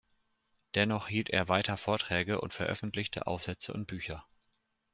Dennoch hielt er weiter Vorträge und veröffentlichte Aufsätze und Bücher.